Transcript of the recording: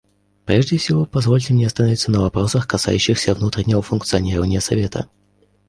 Прежде всего позвольте мне остановиться на вопросах, касающихся внутреннего функционирования Совета.